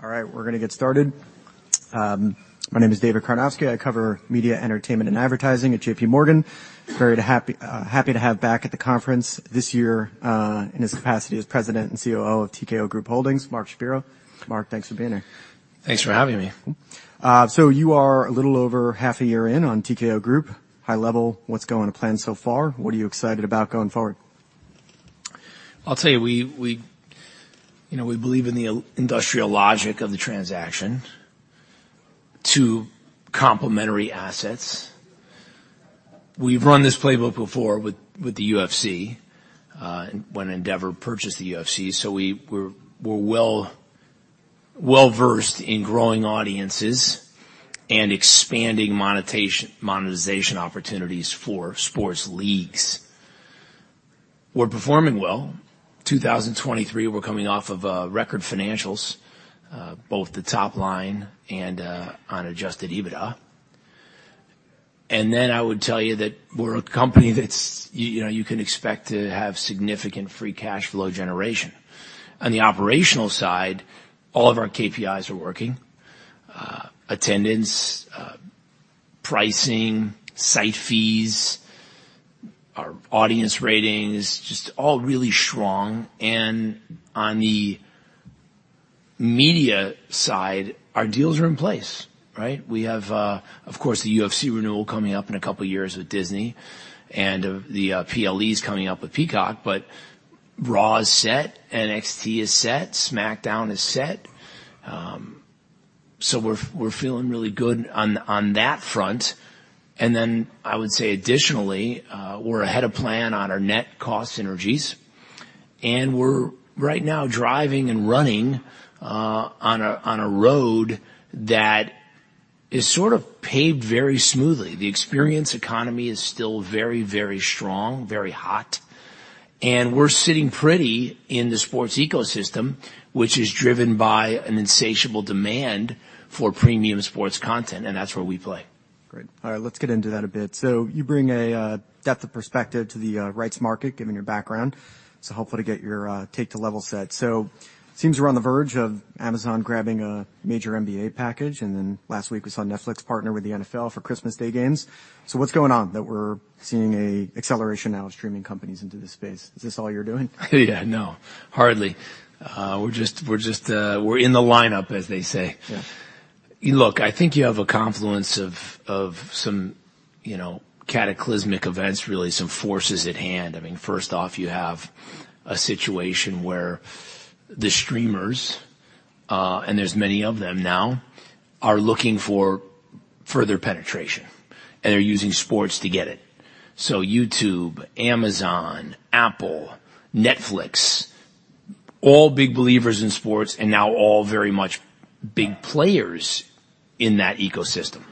All right, we're going to get started. My name is David Karnovsky. I cover media, entertainment, and advertising at JPMorgan. Very happy to have back at the conference this year in his capacity as President and COO of TKO Group Holdings, Mark Shapiro. Mark, thanks for being here. Thanks for having me. So you are a little over half a year in on TKO Group. High level, what's going to plan so far? What are you excited about going forward? I'll tell you, we believe in the industrial logic of the transaction to complementary assets. We've run this playbook before with the UFC when Endeavor purchased the UFC, so we're well-versed in growing audiences and expanding monetization opportunities for sports leagues. We're performing well. 2023, we're coming off of record financials, both the top line and on Adjusted EBITDA, and then I would tell you that we're a company that you can expect to have significant free cash flow generation. On the operational side, all of our KPIs are working: attendance, pricing, site fees, our audience ratings, just all really strong, and on the media side, our deals are in place. We have, of course, the UFC renewal coming up in a couple of years with Disney, and the PLE is coming up with Peacock, but Raw is set, NXT is set, SmackDown is set. We're feeling really good on that front. I would say additionally, we're ahead of plan on our net cost synergies, and we're right now driving and running on a road that is sort of paved very smoothly. The experience economy is still very, very strong, very hot, and we're sitting pretty in the sports ecosystem, which is driven by an insatiable demand for premium sports content, and that's where we play. Great. All right, let's get into that a bit. So you bring a depth of perspective to the rights market, given your background. So hopefully to get your take to level set. So it seems we're on the verge of Amazon grabbing a major NBA package, and then last week we saw Netflix partner with the NFL for Christmas Day games. So what's going on that we're seeing an acceleration now of streaming companies into this space? Is this all you're doing? Yeah, no, hardly. We're in the lineup, as they say. Look, I think you have a confluence of some cataclysmic events, really some forces at hand. I mean, first off, you have a situation where the streamers, and there's many of them now, are looking for further penetration, and they're using sports to get it. So YouTube, Amazon, Apple, Netflix, all big believers in sports, and now all very much big players in that ecosystem.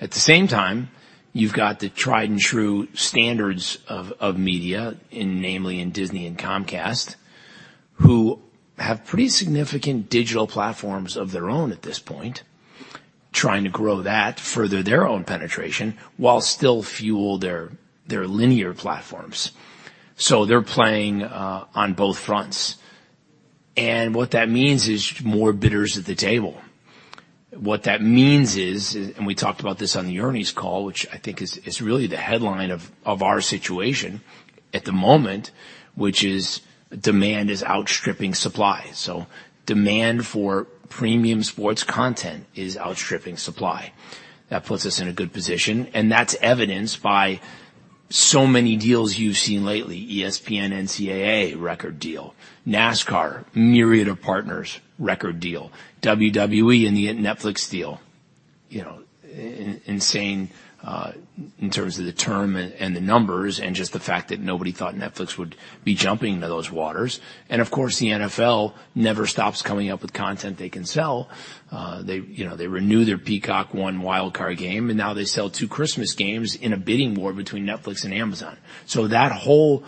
At the same time, you've got the tried and true standards of media, namely in Disney and Comcast, who have pretty significant digital platforms of their own at this point, trying to grow that, further their own penetration, while still fuel their linear platforms. So they're playing on both fronts, and what that means is more bidders at the table. What that means is, and we talked about this on the Ari's call, which I think is really the headline of our situation at the moment, which is demand is outstripping supply, so demand for premium sports content is outstripping supply. That puts us in a good position, and that's evidenced by so many deals you've seen lately: ESPN NCAA record deal, NASCAR myriad of partners record deal, WWE and the Netflix deal. Insane in terms of the term and the numbers and just the fact that nobody thought Netflix would be jumping into those waters, and of course, the NFL never stops coming up with content they can sell. They renewed their Peacock one wild card game, and now they sell two Christmas games in a bidding war between Netflix and Amazon. That whole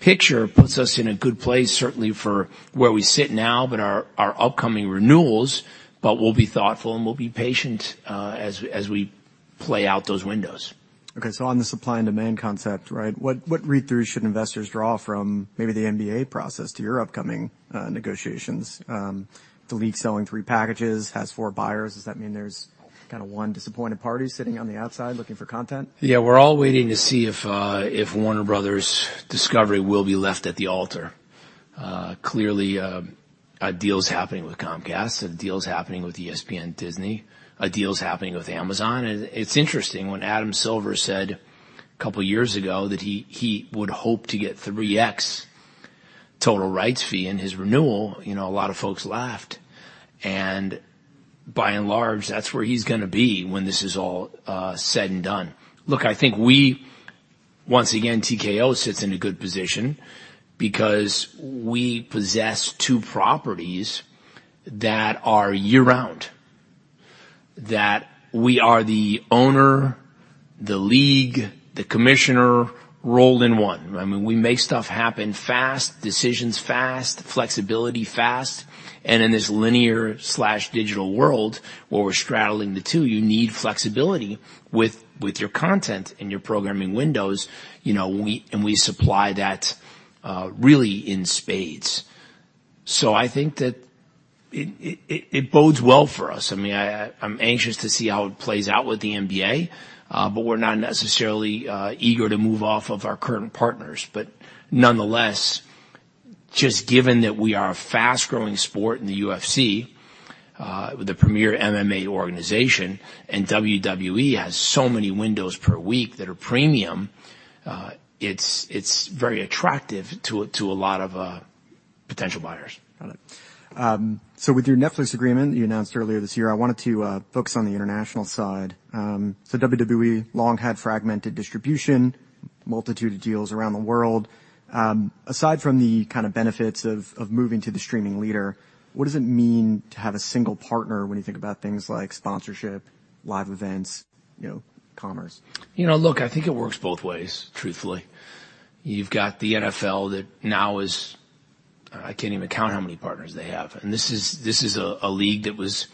picture puts us in a good place, certainly for where we sit now, but our upcoming renewals. We'll be thoughtful and we'll be patient as we play out those windows. Okay, so on the supply and demand concept, right, what read-through should investors draw from maybe the NBA process to your upcoming negotiations? The league selling three packages has four buyers. Does that mean there's kind of one disappointed party sitting on the outside looking for content? Yeah, we're all waiting to see if Warner Bros. Discovery will be left at the altar. Clearly, deals happening with Comcast, deals happening with ESPN, Disney, deals happening with Amazon. It's interesting when Adam Silver said a couple of years ago that he would hope to get 3x total rights fee in his renewal, a lot of folks laughed, and by and large, that's where he's going to be when this is all said and done. Look, I think we, once again, TKO sits in a good position because we possess two properties that are year-round, that we are the owner, the league, the commissioner rolled in one. I mean, we make stuff happen fast, decisions fast, flexibility fast. And in this linear/digital world where we're straddling the two, you need flexibility with your content and your programming windows, and we supply that really in spades. So I think that it bodes well for us. I mean, I'm anxious to see how it plays out with the NBA, but we're not necessarily eager to move off of our current partners. But nonetheless, just given that we are a fast-growing sport in the UFC, with the premier MMA organization, and WWE has so many windows per week that are premium, it's very attractive to a lot of potential buyers. Got it. So with your Netflix agreement you announced earlier this year, I wanted to focus on the international side. So WWE long had fragmented distribution, multitude of deals around the world. Aside from the kind of benefits of moving to the streaming leader, what does it mean to have a single partner when you think about things like sponsorship, live events, commerce? You know, look, I think it works both ways, truthfully. You've got the NFL that now is, I can't even count how many partners they have. And this is a league that was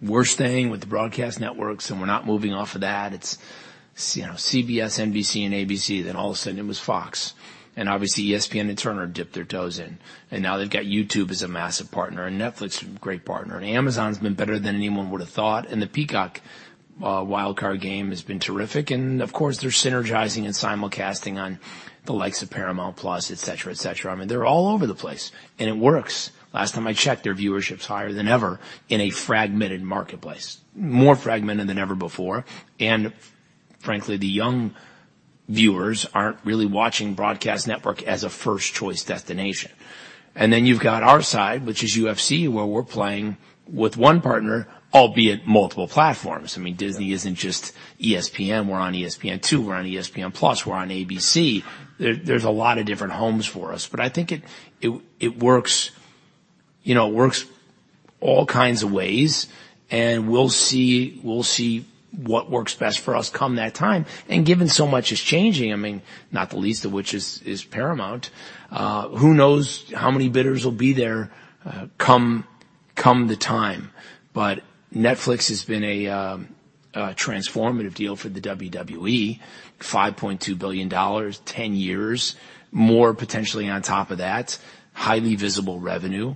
worse than with the broadcast networks, and we're not moving off of that. It's CBS, NBC, and ABC, then all of a sudden it was Fox. And obviously, ESPN and Turner dipped their toes in. And now they've got YouTube as a massive partner, and Netflix is a great partner. And Amazon's been better than anyone would have thought. And the Peacock wild card game has been terrific. And of course, they're synergizing and simulcasting on the likes of Paramount+, etc., etc. I mean, they're all over the place. And it works. Last time I checked, their viewership's higher than ever in a fragmented marketplace, more fragmented than ever before. And frankly, the young viewers aren't really watching broadcast network as a first choice destination. And then you've got our side, which is UFC, where we're playing with one partner, albeit multiple platforms. I mean, Disney isn't just ESPN. We're on ESPN2, we're on ESPN+, we're on ABC. There's a lot of different homes for us. But I think it works all kinds of ways, and we'll see what works best for us come that time. And given so much is changing, I mean, not the least of which is Paramount, who knows how many bidders will be there come the time. But Netflix has been a transformative deal for the WWE, $5.2 billion, 10 years, more potentially on top of that, highly visible revenue,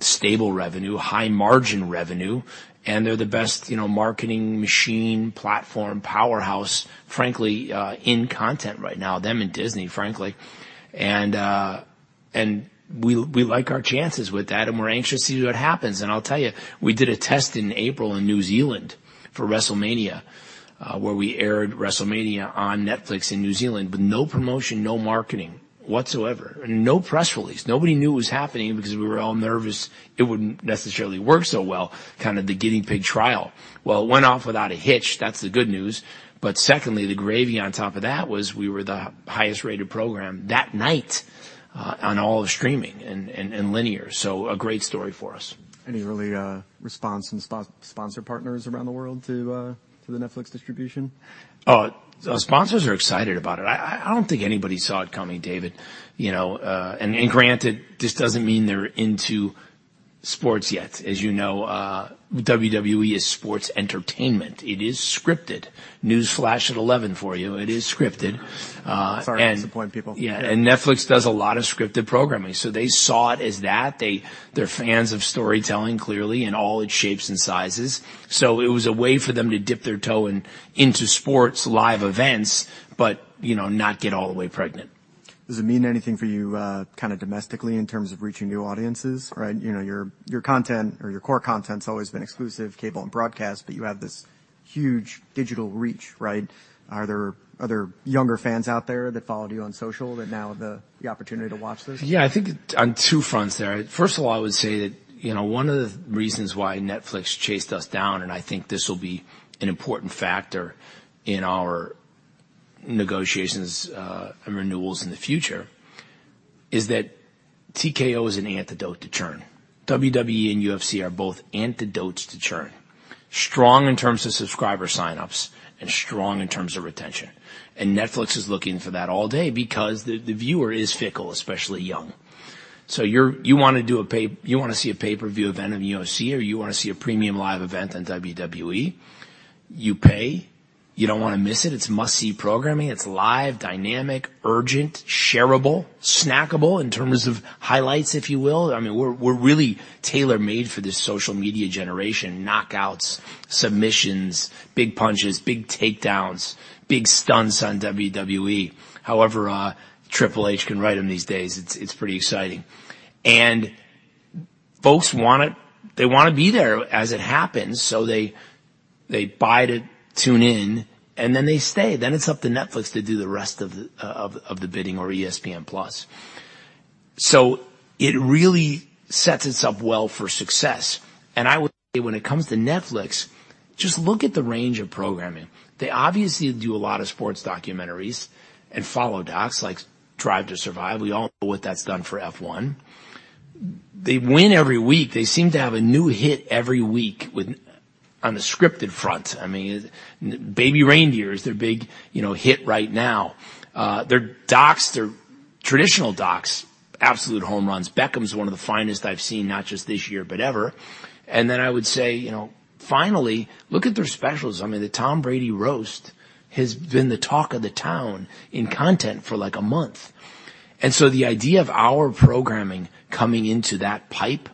stable revenue, high margin revenue. And they're the best marketing machine, platform, powerhouse, frankly, in content right now, them and Disney, frankly. We like our chances with that, and we're anxious to see what happens. I'll tell you, we did a test in April in New Zealand for WrestleMania, where we aired WrestleMania on Netflix in New Zealand, but no promotion, no marketing whatsoever, and no press release. Nobody knew it was happening because we were all nervous it wouldn't necessarily work so well, kind of the guinea pig trial. It went off without a hitch. That's the good news. Secondly, the gravy on top of that was we were the highest-rated program that night on all of streaming and linear. A great story for us. Any early response from sponsor partners around the world to the Netflix distribution? Oh, sponsors are excited about it. I don't think anybody saw it coming, David. And granted, this doesn't mean they're into sports yet. As you know, WWE is sports entertainment. It is scripted. News flash at 11 for you. It is scripted. Sorry to disappoint people. Yeah. And Netflix does a lot of scripted programming. So they saw it as that. They're fans of storytelling clearly in all its shapes and sizes. So it was a way for them to dip their toe into sports, live events, but not get all the way pregnant. Does it mean anything for you kind of domestically in terms of reaching new audiences? Your content or your core content's always been exclusive cable and broadcast, but you have this huge digital reach, right? Are there other younger fans out there that followed you on social that now have the opportunity to watch this? Yeah, I think on two fronts there. First of all, I would say that one of the reasons why Netflix chased us down, and I think this will be an important factor in our negotiations and renewals in the future, is that TKO is an antidote to churn. WWE and UFC are both antidotes to churn, strong in terms of subscriber signups and strong in terms of retention. And Netflix is looking for that all day because the viewer is fickle, especially young. So you want to do a pay - you want to see a pay-per-view event on UFC, or you want to see a premium live event on WWE, you pay. You don't want to miss it. It's must-see programming. It's live, dynamic, urgent, shareable, snackable in terms of highlights, if you will. I mean, we're really tailor-made for this social media generation, knockouts, submissions, big punches, big takedowns, big stunts on WWE. However, Triple H can write them these days. It's pretty exciting, and folks want it. They want to be there as it happens, so they buy to tune in, and then they stay. Then it's up to Netflix to do the rest of the bidding or ESPN+. So it really sets itself well for success, and I would say when it comes to Netflix, just look at the range of programming. They obviously do a lot of sports documentaries and follow docs like Drive to Survive. We all know what that's done for F1. They win every week. They seem to have a new hit every week on the scripted front. I mean, Baby Reindeer is their big hit right now. Their docs, their traditional docs, absolute home runs. Beckham's one of the finest I've seen, not just this year, but ever. And then I would say, finally, look at their specials. I mean, the Tom Brady roast has been the talk of the town in content for like a month. And so the idea of our programming coming into that pipe,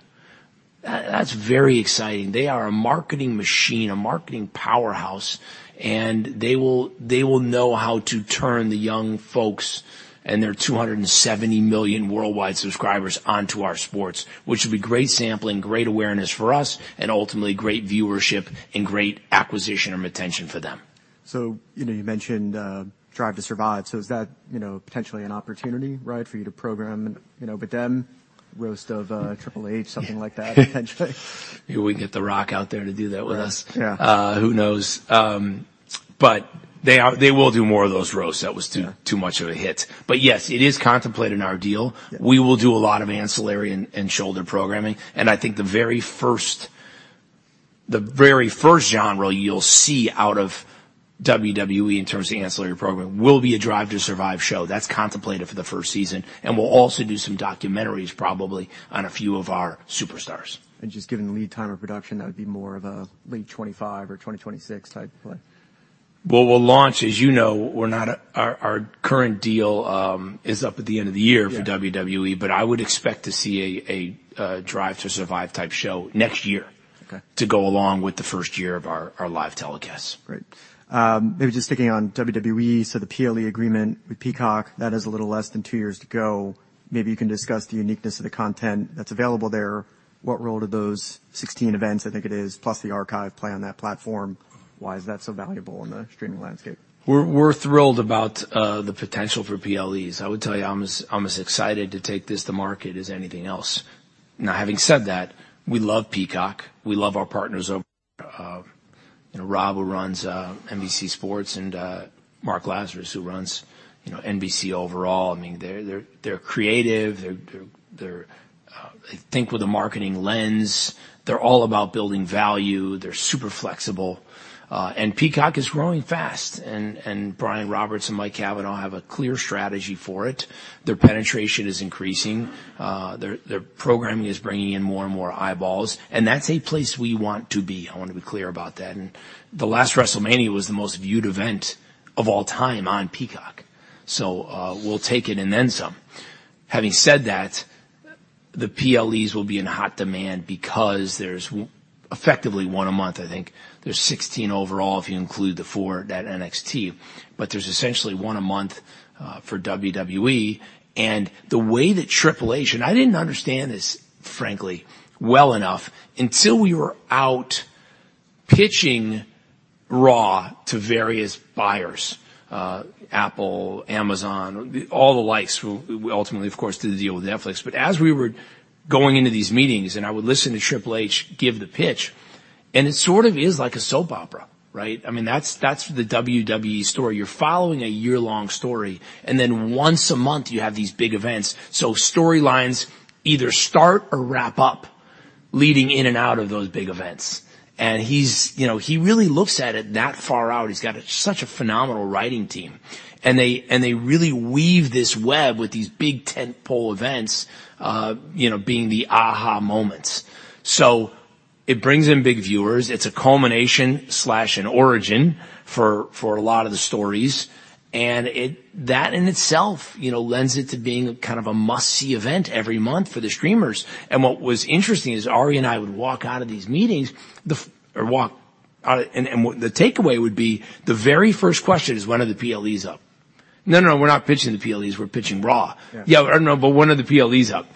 that's very exciting. They are a marketing machine, a marketing powerhouse, and they will know how to turn the young folks and their 270 million worldwide subscribers onto our sports, which will be great sampling, great awareness for us, and ultimately great viewership and great acquisition or retention for them. So you mentioned Drive to Survive. So is that potentially an opportunity, right, for you to program with them? Roast of Triple H, something like that, potentially. We can get The Rock out there to do that with us. Who knows, but they will do more of those roasts that were too much of a hit, but yes, it is contemplated in our deal. We will do a lot of ancillary and shoulder programming, and I think the very first genre you'll see out of WWE in terms of ancillary programming will be a Drive to Survive show. That's contemplated for the first season, and we'll also do some documentaries, probably, on a few of our superstars. Just given the lead time of production, that would be more of a late 2025 or 2026 type play? We'll launch, as you know, our current deal is up at the end of the year for WWE, but I would expect to see a Drive to Survive type show next year to go along with the first year of our live telecasts. Great. Maybe just sticking on WWE, so the PLE agreement with Peacock, that is a little less than two years to go. Maybe you can discuss the uniqueness of the content that's available there. What role do those 16 events, I think it is, plus the archive play on that platform? Why is that so valuable in the streaming landscape? We're thrilled about the potential for PLEs. I would tell you, I'm as excited to take this to market as anything else. Now, having said that, we love Peacock. We love our partners over there. Rob, who runs NBC Sports, and Mark Lazarus, who runs NBC overall. I mean, they're creative. I think with a marketing lens, they're all about building value. They're super flexible. And Peacock is growing fast. And Brian Roberts and Mike Cavanagh have a clear strategy for it. Their penetration is increasing. Their programming is bringing in more and more eyeballs. And that's a place we want to be. I want to be clear about that. And the last WrestleMania was the most viewed event of all time on Peacock. So we'll take it and then some. Having said that, the PLEs will be in hot demand because there's effectively one a month. I think there's 16 overall if you include the four at NXT. But there's essentially one a month for WWE. The way that Triple H, and I didn't understand this, frankly, well enough until we were out pitching Raw to various buyers, Apple, Amazon, all the likes, ultimately, of course, to deal with Netflix. As we were going into these meetings, and I would listen to Triple H give the pitch, and it sort of is like a soap opera, right? I mean, that's the WWE story. You're following a year-long story, and then once a month, you have these big events. Storylines either start or wrap up leading in and out of those big events. He really looks at it that far out. He's got such a phenomenal writing team. They really weave this web with these big tentpole events being the aha moments. It brings in big viewers. It's a culmination or an origin for a lot of the stories. That in itself lends it to being kind of a must-see event every month for the streamers. What was interesting is Ari and I would walk out of these meetings, and the takeaway would be the very first question is, "When are the PLEs up?" "No, no, no, we're not pitching the PLEs. We're pitching Raw." "Yeah, but when are the PLEs up?"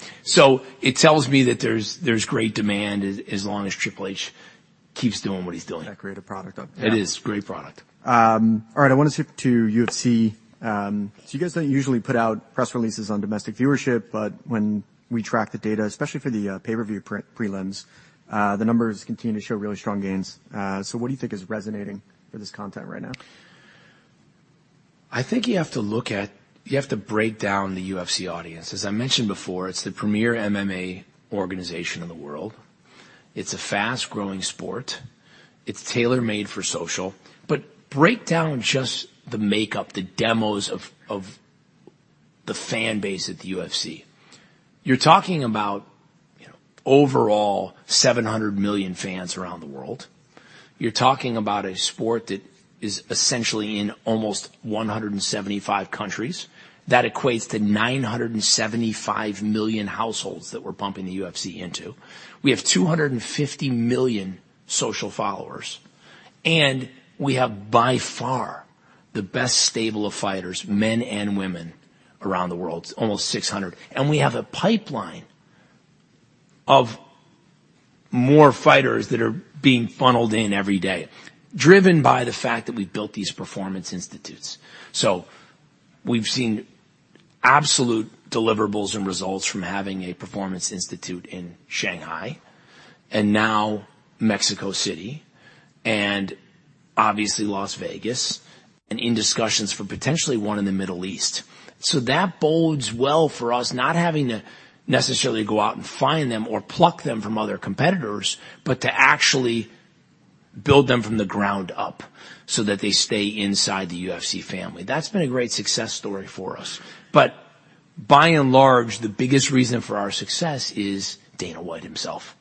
It tells me that there's great demand as long as Triple H keeps doing what he's doing. Is that great a product? It is a great product. All right. I want to shift to UFC. So you guys don't usually put out press releases on domestic viewership, but when we track the data, especially for the pay-per-view prelims, the numbers continue to show really strong gains. So what do you think is resonating for this content right now? I think you have to look at, you have to break down the UFC audience. As I mentioned before, it's the premier MMA organization in the world. It's a fast-growing sport. It's tailor-made for social. But break down just the makeup, the demos of the fan base at the UFC. You're talking about overall 700 million fans around the world. You're talking about a sport that is essentially in almost 175 countries. That equates to 975 million households that we're pumping the UFC into. We have 250 million social followers. And we have by far the best stable of fighters, men and women, around the world, almost 600. And we have a pipeline of more fighters that are being funneled in every day, driven by the fact that we've built these performance institutes. We've seen absolute deliverables and results from having a Performance Institute in Shanghai and now Mexico City and obviously Las Vegas and in discussions for potentially one in the Middle East. That bodes well for us, not having to necessarily go out and find them or pluck them from other competitors, but to actually build them from the ground up so that they stay inside the UFC family. That's been a great success story for us. But by and large, the biggest reason for our success is Dana White himself.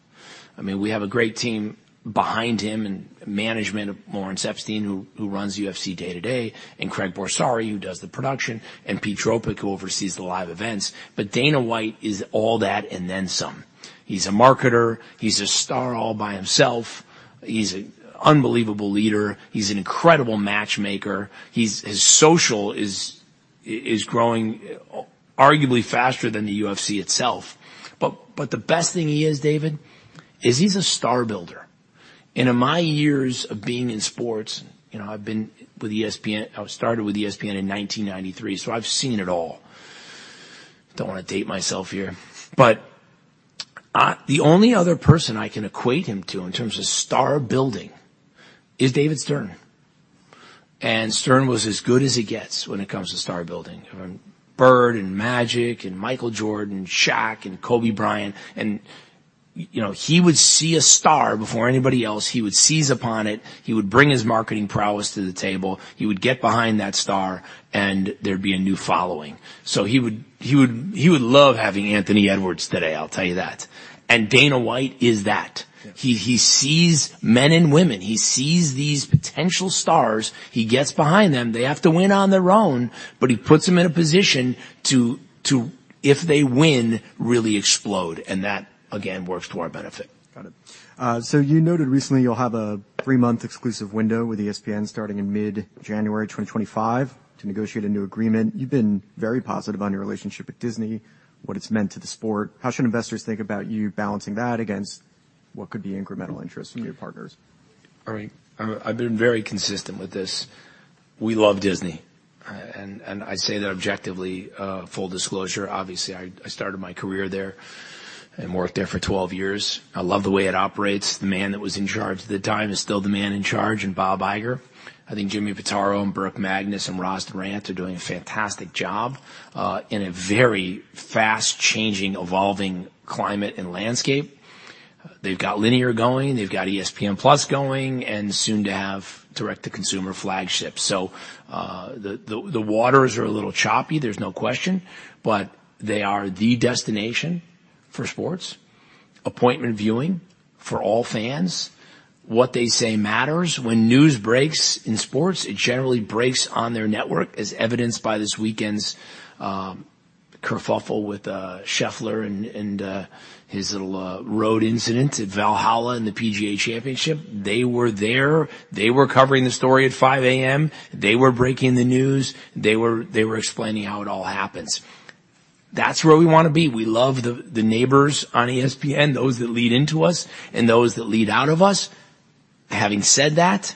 I mean, we have a great team behind him and management, Lawrence Epstein, who runs UFC day to day, and Craig Borsari, who does the production, and Peter Dropick, who oversees the live events. But Dana White is all that and then some. He's a marketer. He's a star all by himself. He's an unbelievable leader. He's an incredible matchmaker. His social is growing arguably faster than the UFC itself. But the best thing he is, David, is he's a star builder. And in my years of being in sports, I've been with ESPN. I started with ESPN in 1993, so I've seen it all. Don't want to date myself here. But the only other person I can equate him to in terms of star building is David Stern. And Stern was as good as it gets when it comes to star building. Bird and Magic and Michael Jordan and Shaq and Kobe Bryant. And he would see a star before anybody else. He would seize upon it. He would bring his marketing prowess to the table. He would get behind that star, and there'd be a new following. So he would love having Anthony Edwards today. I'll tell you that. And Dana White is that. He sees men and women. He sees these potential stars. He gets behind them. They have to win on their own, but he puts them in a position to, if they win, really explode. And that, again, works to our benefit. Got it. So you noted recently you'll have a three-month exclusive window with ESPN starting in mid-January 2025 to negotiate a new agreement. You've been very positive on your relationship with Disney, what it's meant to the sport. How should investors think about you balancing that against what could be incremental interest from your partners? All right. I've been very consistent with this. We love Disney. And I say that objectively, full disclosure. Obviously, I started my career there and worked there for 12 years. I love the way it operates. The man that was in charge at the time is still the man in charge, and Bob Iger. I think Jimmy Pitaro and Burke Magnus and Rosalyn Durant are doing a fantastic job in a very fast-changing, evolving climate and landscape. They've got Linear going. They've got ESPN+ going and soon to have direct-to-consumer Flagship. So the waters are a little choppy, there's no question, but they are the destination for sports, appointment viewing for all fans. What they say matters. When news breaks in sports, it generally breaks on their network, as evidenced by this weekend's kerfuffle with Scheffler and his little road incident at Valhalla in the PGA Championship. They were there. They were covering the story at 5:00 A.M. They were breaking the news. They were explaining how it all happens. That's where we want to be. We love the neighbors on ESPN, those that lead into us and those that lead out of us. Having said that,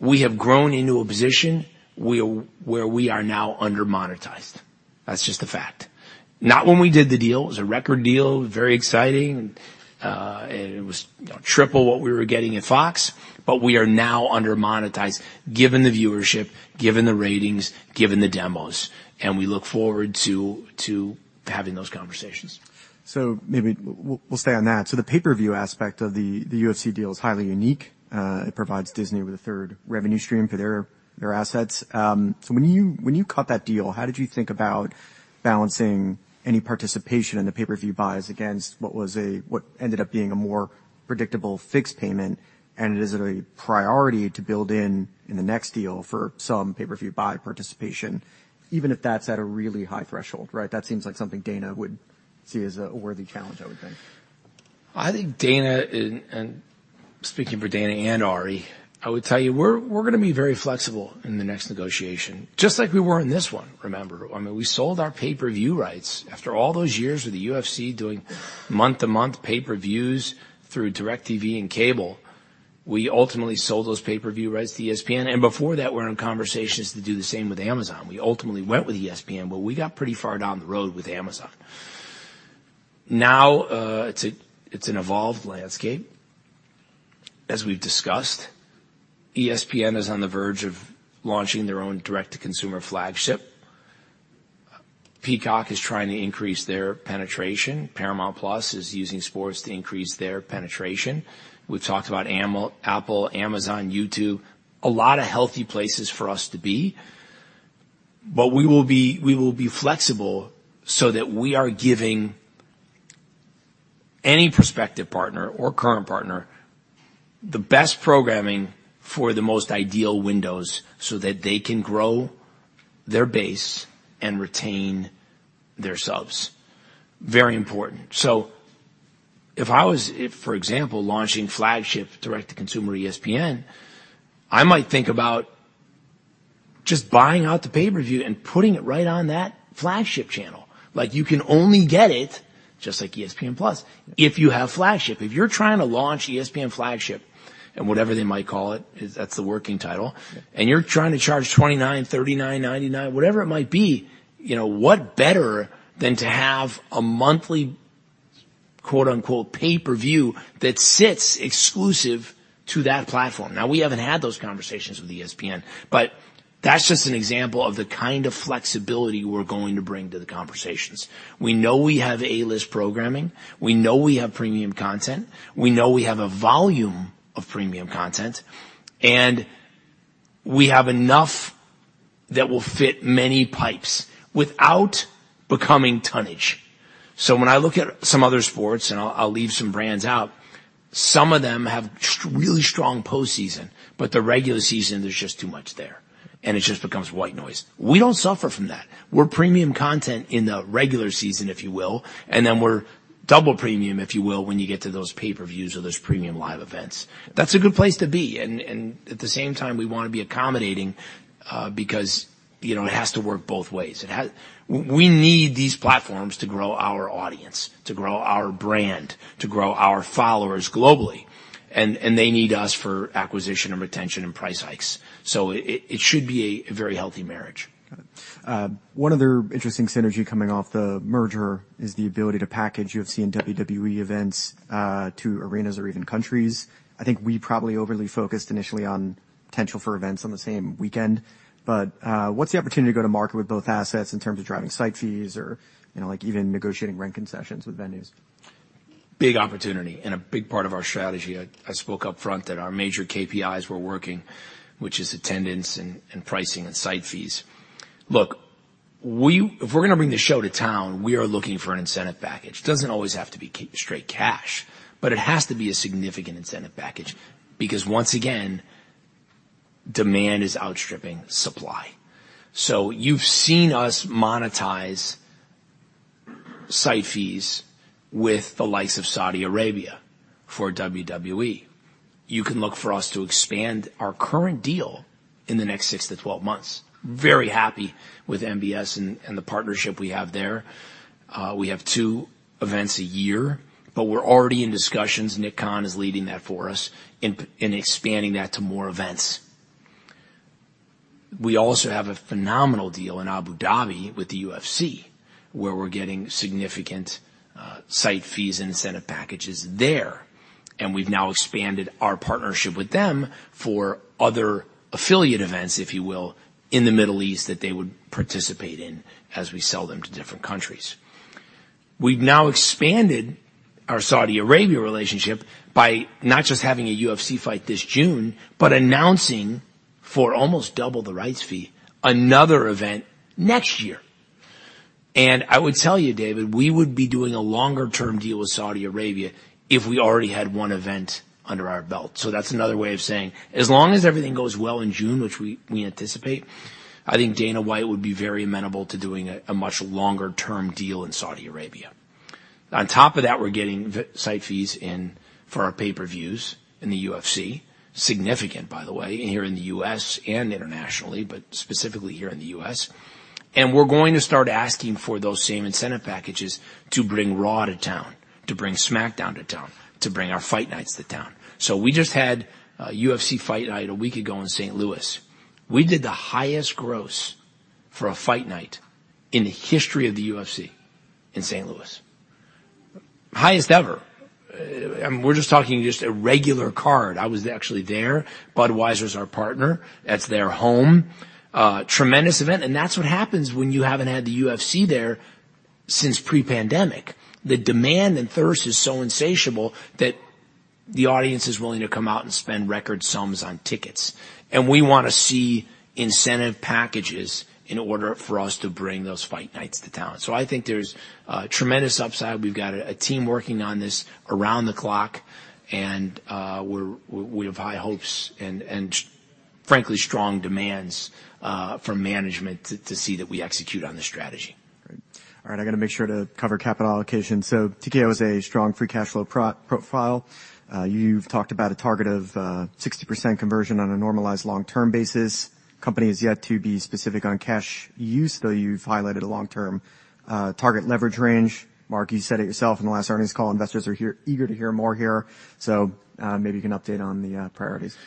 we have grown into a position where we are now under monetized. That's just a fact. Not when we did the deal. It was a record deal, very exciting, and it was triple what we were getting at Fox, but we are now under monetized, given the viewership, given the ratings, given the demos, and we look forward to having those conversations. So maybe we'll stay on that. So the pay-per-view aspect of the UFC deal is highly unique. It provides Disney with a third revenue stream for their assets. So when you cut that deal, how did you think about balancing any participation in the pay-per-view buys against what ended up being a more predictable fixed payment? And is it a priority to build in the next deal for some pay-per-view buy participation, even if that's at a really high threshold, right? That seems like something Dana would see as a worthy challenge, I would think. I think, Dana, and speaking for Dana and Ari, I would tell you we're going to be very flexible in the next negotiation, just like we were in this one, remember. I mean, we sold our pay-per-view rights after all those years with the UFC doing month-to-month pay-per-views through DirecTV and cable. We ultimately sold those pay-per-view rights to ESPN. And before that, we're in conversations to do the same with Amazon. We ultimately went with ESPN, but we got pretty far down the road with Amazon. Now it's an evolved landscape. As we've discussed, ESPN is on the verge of launching their own direct-to-consumer Flagship. Peacock is trying to increase their penetration. Paramount+ is using sports to increase their penetration. We've talked about Apple, Amazon, YouTube, a lot of healthy places for us to be. But we will be flexible so that we are giving any prospective partner or current partner the best programming for the most ideal windows so that they can grow their base and retain their subs. Very important. So if I was, for example, launching Flagship direct-to-consumer ESPN, I might think about just buying out the pay-per-view and putting it right on that Flagship channel. You can only get it, just like ESPN+, if you have Flagship. If you're trying to launch ESPN Flagship, and whatever they might call it, that's the working title, and you're trying to charge $29, $39, $99, whatever it might be, what better than to have a monthly "pay-per-view" that sits exclusive to that platform? Now, we haven't had those conversations with ESPN, but that's just an example of the kind of flexibility we're going to bring to the conversations. We know we have A-list programming. We know we have premium content. We know we have a volume of premium content. And we have enough that will fit many pipes without becoming tonnage. So when I look at some other sports, and I'll leave some brands out, some of them have really strong postseason, but the regular season, there's just too much there. And it just becomes white noise. We don't suffer from that. We're premium content in the regular season, if you will, and then we're double premium, if you will, when you get to those pay-per-views or those premium live events. That's a good place to be. And at the same time, we want to be accommodating because it has to work both ways. We need these platforms to grow our audience, to grow our brand, to grow our followers globally. They need us for acquisition and retention and price hikes, so it should be a very healthy marriage. Got it. One other interesting synergy coming off the merger is the ability to package UFC and WWE events to arenas or even countries. I think we probably overly focused initially on potential for events on the same weekend. But what's the opportunity to go to market with both assets in terms of driving site fees or even negotiating rent concessions with venues? Big opportunity and a big part of our strategy. I spoke upfront that our major KPIs we're working, which is attendance and pricing and site fees. Look, if we're going to bring the show to town, we are looking for an incentive package. It doesn't always have to be straight cash, but it has to be a significant incentive package because, once again, demand is outstripping supply. So you've seen us monetize site fees with the likes of Saudi Arabia for WWE. You can look for us to expand our current deal in the next six to 12 months. Very happy with MBS and the partnership we have there. We have two events a year, but we're already in discussions. Nick Khan is leading that for us in expanding that to more events. We also have a phenomenal deal in Abu Dhabi with the UFC, where we're getting significant site fees and incentive packages there. And we've now expanded our partnership with them for other affiliate events, if you will, in the Middle East that they would participate in as we sell them to different countries. We've now expanded our Saudi Arabia relationship by not just having a UFC fight this June, but announcing for almost double the rights fee another event next year. And I would tell you, David, we would be doing a longer-term deal with Saudi Arabia if we already had one event under our belt. So that's another way of saying, as long as everything goes well in June, which we anticipate, I think Dana White would be very amenable to doing a much longer-term deal in Saudi Arabia. On top of that, we're getting site fees for our pay-per-views in the UFC, significant, by the way, here in the U.S. and internationally, but specifically here in the U.S., and we're going to start asking for those same incentive packages to bring Raw to town, to bring SmackDown to town, to bring our Fight Nights to town, so we just had a UFC Fight Night a week ago in St. Louis. We did the highest gross for a Fight Night in the history of the UFC in St. Louis. Highest ever. We're just talking just a regular card. I was actually there. Budweiser is our partner. That's their home. Tremendous event, and that's what happens when you haven't had the UFC there since pre-pandemic. The demand and thirst is so insatiable that the audience is willing to come out and spend record sums on tickets. And we want to see incentive packages in order for us to bring those Fight Nights to town. So I think there's tremendous upside. We've got a team working on this around the clock, and we have high hopes and, frankly, strong demands from management to see that we execute on the strategy. All right. I'm going to make sure to cover capital allocation. So TKO has a strong free cash flow profile. You've talked about a target of 60% conversion on a normalized long-term basis. Company is yet to be specific on cash use, though you've highlighted a long-term target leverage range. Mark, you said it yourself in the last earnings call. Investors are eager to hear more here. So maybe you can update on the priorities.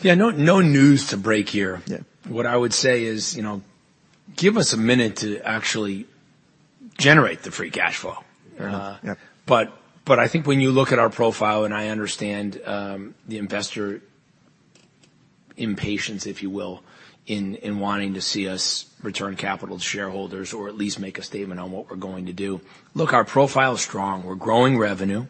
Yeah. No news to break here. What I would say is, give us a minute to actually generate the free cash flow. But I think when you look at our profile, and I understand the investor impatience, if you will, in wanting to see us return capital to shareholders or at least make a statement on what we're going to do. Look, our profile is strong. We're growing revenue.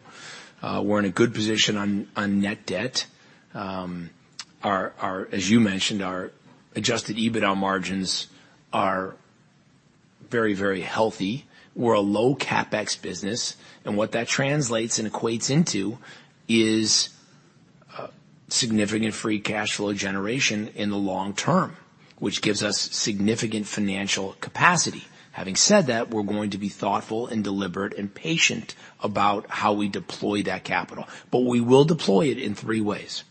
We're in a good position on net debt. As you mentioned, our Adjusted EBITDA margins are very, very healthy. We're a low CapEx business. And what that translates and equates into is significant free cash flow generation in the long term, which gives us significant financial capacity. Having said that, we're going to be thoughtful and deliberate and patient about how we deploy that capital. But we will deploy it in three ways.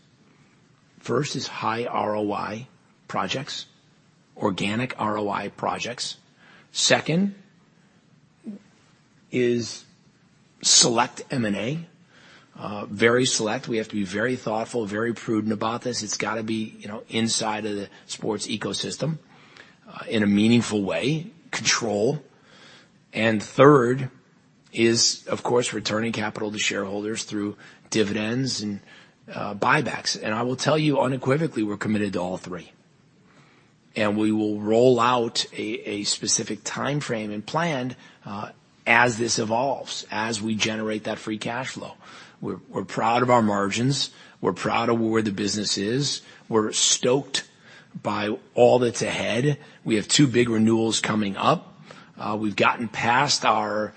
First is high ROI projects, organic ROI projects. Second is select M&A, very select. We have to be very thoughtful, very prudent about this. It's got to be inside of the sports ecosystem in a meaningful way, control. And third is, of course, returning capital to shareholders through dividends and buybacks. And I will tell you unequivocally, we're committed to all three. And we will roll out a specific timeframe and plan as this evolves as we generate that free cash flow. We're proud of our margins. We're proud of where the business is. We're stoked by all that's ahead. We have two big renewals coming up. We've gotten past our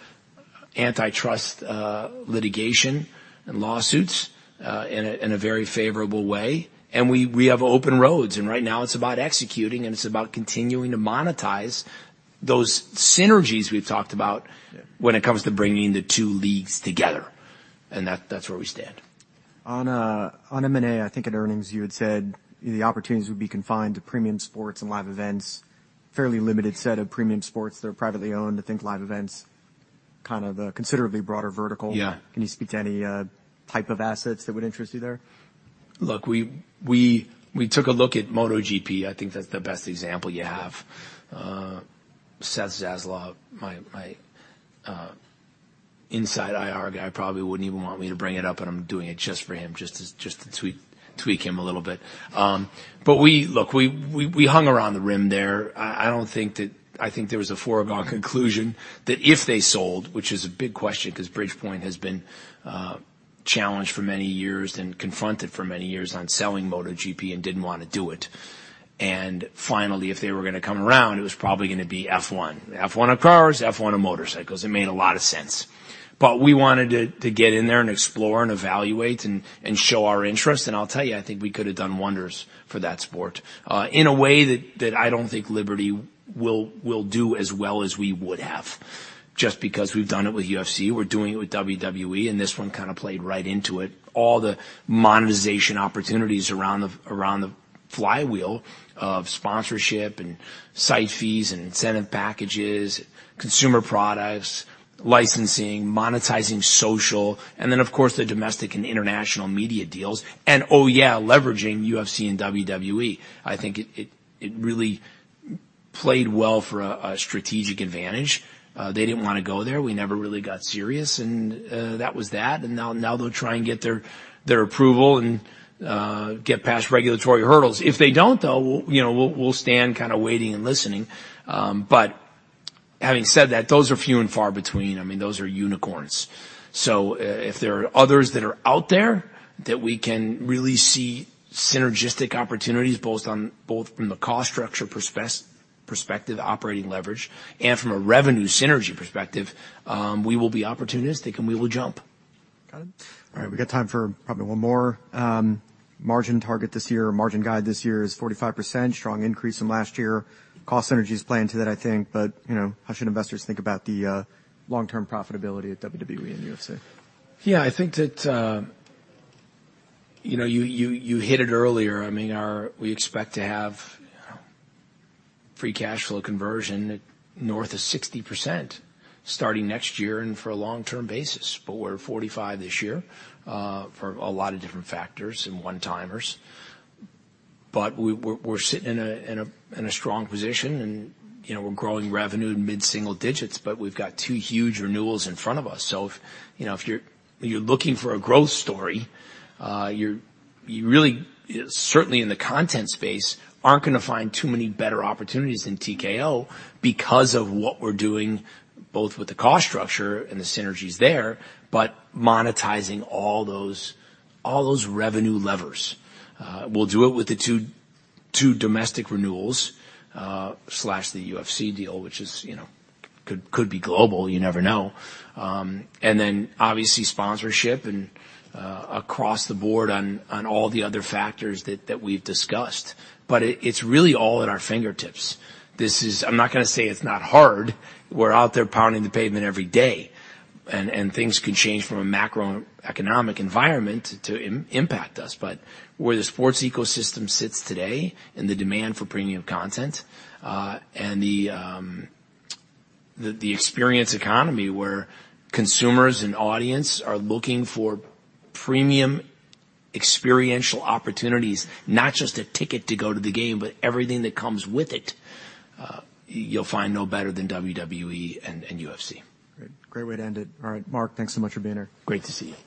antitrust litigation and lawsuits in a very favorable way. And we have open roads. And right now, it's about executing, and it's about continuing to monetize those synergies we've talked about when it comes to bringing the two leagues together. And that's where we stand. On M&A, I think in earnings, you had said the opportunities would be confined to premium sports and live events, a fairly limited set of premium sports that are privately owned. I think live events, kind of the considerably broader vertical. Can you speak to any type of assets that would interest you there? Look, we took a look at MotoGP. I think that's the best example you have. Seth Zaslow, my inside IR guy, probably wouldn't even want me to bring it up, but I'm doing it just for him, just to tweak him a little bit. But look, we hung around the rim there. I think there was a foregone conclusion that if they sold, which is a big question because Bridgepoint has been challenged for many years and confronted for many years on selling MotoGP and didn't want to do it. And finally, if they were going to come around, it was probably going to be F1, F1 of cars, F1 of motorcycles. It made a lot of sense. But we wanted to get in there and explore and evaluate and show our interest. And I'll tell you, I think we could have done wonders for that sport in a way that I don't think Liberty will do as well as we would have, just because we've done it with UFC. We're doing it with WWE, and this one kind of played right into it. All the monetization opportunities around the flywheel of sponsorship and site fees and incentive packages, consumer products, licensing, monetizing social, and then, of course, the domestic and international media deals, and oh yeah, leveraging UFC and WWE. I think it really played well for a strategic advantage. They didn't want to go there. We never really got serious, and that was that. And now they'll try and get their approval and get past regulatory hurdles. If they don't, though, we'll stand kind of waiting and listening. But having said that, those are few and far between. I mean, those are unicorns. So if there are others that are out there that we can really see synergistic opportunities, both from the cost structure perspective, operating leverage, and from a revenue synergy perspective, we will be opportunistic and we will jump. Got it. All right. We got time for probably one more. Margin target this year, margin guide this year is 45%, strong increase from last year. Cost synergy is planned to that, I think. But how should investors think about the long-term profitability at WWE and UFC? Yeah. I think that you hit it earlier. I mean, we expect to have free cash flow conversion north of 60% starting next year and for a long-term basis. But we're at 45% this year for a lot of different factors and one-timers. But we're sitting in a strong position, and we're growing revenue in mid-single digits, but we've got two huge renewals in front of us. So if you're looking for a growth story, you really, certainly in the content space, aren't going to find too many better opportunities than TKO because of what we're doing, both with the cost structure and the synergies there, but monetizing all those revenue levers. We'll do it with the two domestic renewals, the UFC deal, which could be global. You never know. And then, obviously, sponsorship across the board on all the other factors that we've discussed. But it's really all at our fingertips. I'm not going to say it's not hard. We're out there pounding the pavement every day. And things could change from a macroeconomic environment to impact us. But where the sports ecosystem sits today and the demand for premium content and the experience economy where consumers and audience are looking for premium experiential opportunities, not just a ticket to go to the game, but everything that comes with it, you'll find no better than WWE and UFC. Great. Great way to end it. All right. Mark, thanks so much for being here. Great to be here.